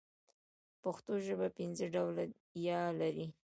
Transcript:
پښتو ژبه پنځه ډوله ي لري.